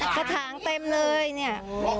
เพราะกันเนี่ย